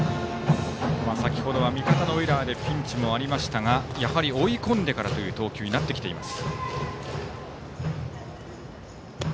先ほどは味方のエラーでピンチもありましたがやはり追い込んでからという投球になってきています。